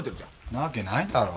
んなわけないだろ。